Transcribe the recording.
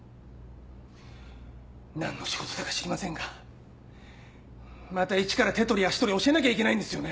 何の仕事だか知りませんがまたイチから手取り足取り教えなきゃいけないんですよね？